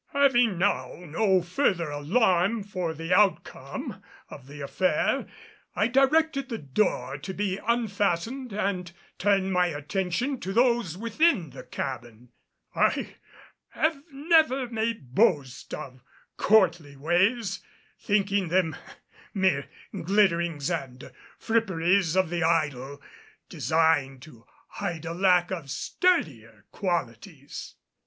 Having now no further alarm for the outcome of the affair, I directed the door to be unfastened and turned my attention to those within the cabin. I have never made boast of courtly ways, thinking them mere glitterings and fripperies of the idle, designed to hide a lack of sturdier qualities.